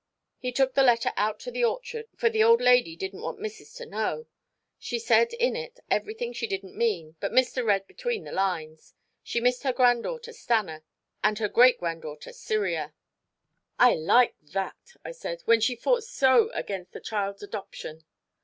He took the letter out to the orchard, for the old lady didn't want missis to know. She said in it everything she didn't mean, but mister read between the lines. She missed her granddaughter Stanna, and her great granddaughter Cyria " "I like that," I said, "when she fought so against the child's adoption."